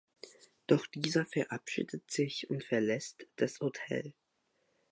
Doch dieser verabschiedet sich und verlässt das Hotel.